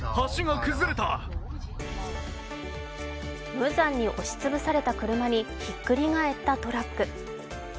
無残に押しつぶされた車に、ひっくり返ったトラック。